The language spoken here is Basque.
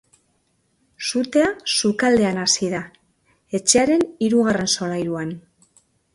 Sutea sukaldean hasi da, etxearen hirugarren solairuan.